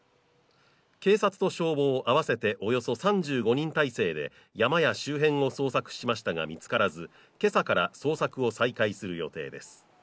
警察と消防合わせておよそ３５人態勢で山や周辺を捜索しましたが見つからず、今朝から捜索を再開する予定です。